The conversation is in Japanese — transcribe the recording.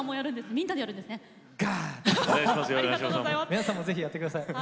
皆さんもぜひやってください。